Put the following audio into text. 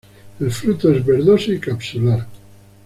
El fruto es verdoso y capsular.